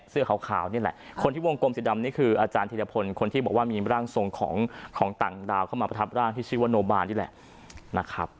เสื้อขาวนี่แหละคนที่วงกลมสีดำนี่คืออาจารย์ธีรพลคนที่บอกว่ามีร่างทรงของต่างดาวเข้ามาประทับร่างที่ชื่อว่าโนบานนี่แหละนะครับ